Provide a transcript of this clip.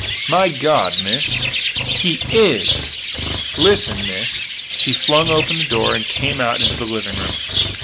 "My God, Miss " "He is!" "Listen, Miss " She flung open the door and came out into the living room.